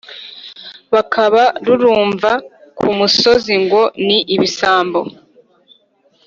bakaba ruvumwa ku musozi ngo ni ibisambo